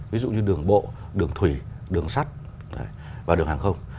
ví dụ như đường bộ đường thủy đường sắt và đường hàng không